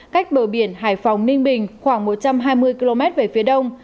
cách bờ biển hải phòng ninh bình khoảng một trăm hai mươi km về phía đông